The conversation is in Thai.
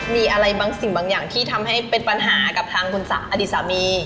มีอะไรบางสิ่งบางอย่างที่ทำให้เป็นปัญหากับทางคุณอดีตสามี